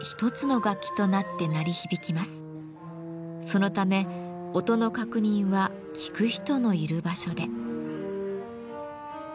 そのため音の確認は聴く人のいる場所で。